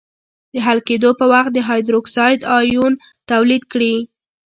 د حل کېدو په وخت د هایدروکساید آیون تولید کړي.